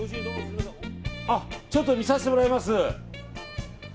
ちょっと見させてもらいます。